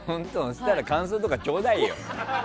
それなら感想とかちょうだいよ。